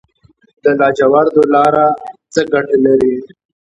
د لاجوردو لاره څه ګټه لري؟